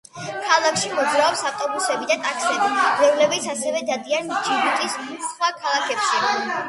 ქალაქში მოძრაობს ავტობუსები და ტაქსები, რომლებიც ასევე დადიან ჯიბუტის სხვა ქალაქებში.